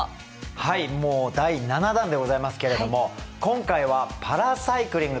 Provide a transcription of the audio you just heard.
はいもう第７弾でございますけれども今回はパラサイクリング。